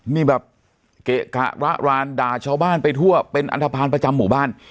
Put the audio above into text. นี่แบบเกะกะระรานด่าชาวบ้านไปทั่วเป็นอันทภาณประจำหมู่บ้าน